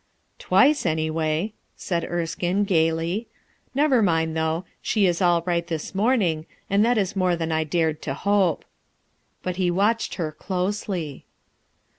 5 ' "Twice, anyway," said Erskine, gayly, "Never mind, though; she is all right this morning, and that is more than I dared to hope/' But he watched her closely.